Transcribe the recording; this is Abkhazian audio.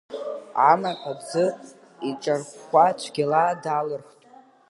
Амаҳә аӡы иҿархәхәа цәгьала далырхт.